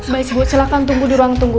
baik ibu silahkan tunggu di ruang tunggu